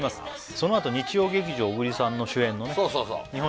そのあと日曜劇場小栗さんの主演のね